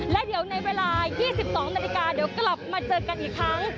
และเดี๋ยวในเวลา๒๒นาฬิกาเดี๋ยวกลับมาเจอกันอีกครั้ง